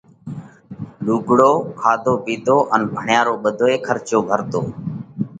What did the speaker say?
لُوگھڙو، کاڌو پِيڌو ان ڀڻيا رو ٻڌوئي کرچو ڀرتو۔